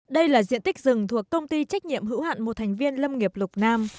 đây là diện tích rừng thuộc công ty trách nhiệm hữu hạn một thành viên lâm nghiệp lục nam